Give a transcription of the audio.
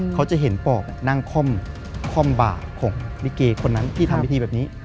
เขาจะเห็นปอบนั่งค่อมบาปของลิเกคนนั้นที่ทำพิธีแบบนี้